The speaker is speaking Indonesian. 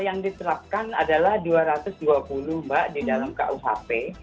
yang diterapkan adalah dua ratus dua puluh mbak di dalam kuhp